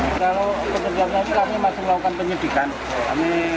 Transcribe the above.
kalau kebenaran kami masih melakukan penyelidikan